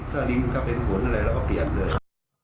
แต่ซ่าลิ้งถ้าเป็นผลอะไรเราก็เปลี่ยนเลย